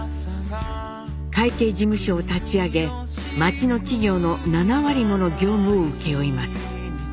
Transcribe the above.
会計事務所を立ち上げ街の企業の７割もの業務を請け負います。